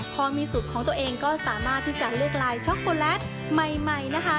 พอมีสูตรของตัวเองก็สามารถที่จะเลือกลายช็อกโกแลตใหม่นะคะ